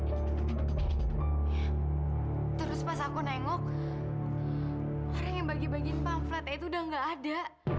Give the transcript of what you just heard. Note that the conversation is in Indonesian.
orang yang bagi bagi pamflet itu udah gak ada